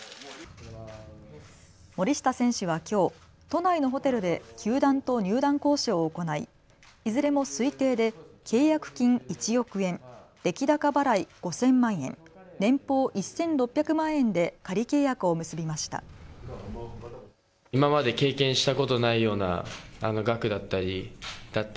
森下選手はきょう都内のホテルで球団と入団交渉を行いいずれも推定で契約金１億円、出来高払い５０００万円、年俸１６００万円で仮契約を結びました。